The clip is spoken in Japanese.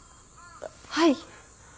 はい。